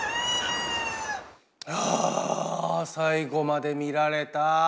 ああ最後まで見られた。